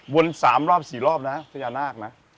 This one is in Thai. วน๓รอบ๔รอบนะพญานาคนะ